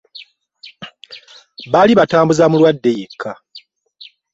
Bali batambuza mulwadde yekka.